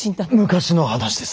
昔の話です。